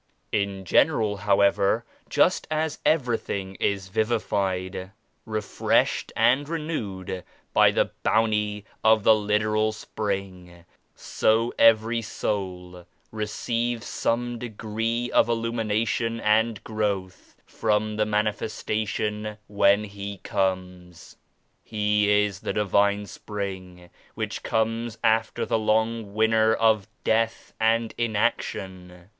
In general however, just as everything is vivified, refreshed and renewed by the bounty of the lit eral spring, so every soul receives some degree of illumination and growth from the Manifesta tion when He comes. He is the Divine Spring 57 which comes after the long winter of death and inaction.